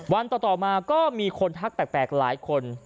วันต่อมาก็มีคนทักแปลกหลายคน